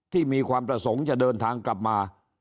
มีความประสงค์จะเดินทางกลับมา